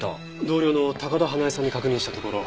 同僚の高田英恵さんに確認したところ。